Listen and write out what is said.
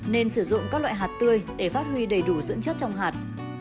nên sử dụng các loại hạt tươi để phát huy đầy đủ dưỡng chất trong hạt